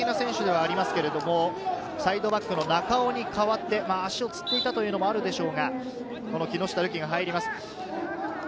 サイドバックの中尾に代わって、足をつっていたというのもあるでしょうが、木下瑠己が入ります。